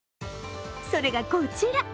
それがこちら。